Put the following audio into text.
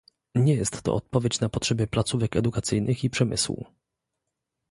Nie jest to odpowiedź na potrzeby placówek edukacyjnych i przemysłu